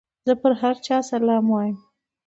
زه پر هر چا سلام وايم.